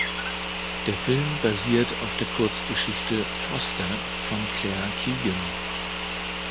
Der Film basiert auf der Kurzgeschichte "Foster" von Claire Keegan.